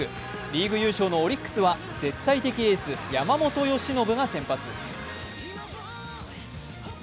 リーグ優勝のオリックスは絶対的エース・山本由伸が先発。